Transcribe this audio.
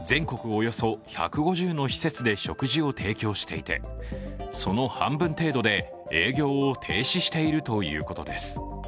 およそ１５０の施設で食事を提供していて、その半分程度で営業を停止しているということです。